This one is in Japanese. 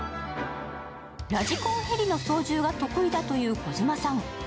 ラジコンヘリの操縦が得意だという児嶋さん。